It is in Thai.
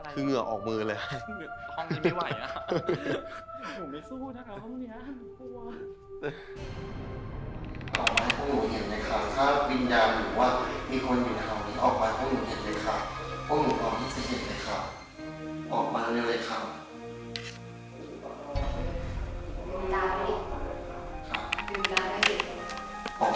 คือไม่รู้ว่ามีอะไรหรือเปล่า